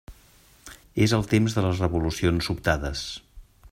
És el temps de les revolucions sobtades.